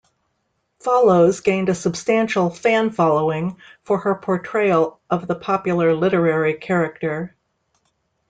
Follows gained a substantial fan-following for her portrayal of the popular literary character.